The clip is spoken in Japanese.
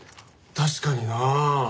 確かにな。